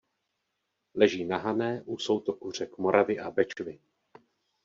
Leží na Hané u soutoku řek Moravy a Bečvy.